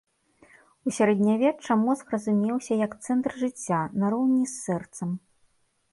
У сярэднявечча мозг разумеўся як цэнтр жыцця, нароўні з сэрцам.